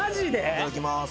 いただきます。